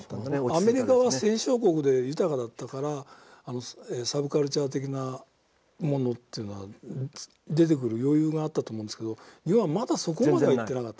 アメリカは戦勝国で豊かだったからサブカルチャー的なものというのは出てくる余裕があったと思うんですけど日本はまだそこまでは行ってなかった。